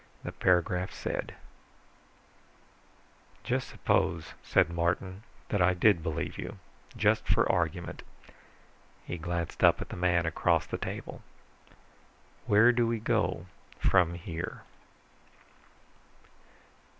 The paragraph said: "Just suppose," said Martin, "that I did believe you. Just for argument." He glanced up at the man across the table. "Where do we go from here?"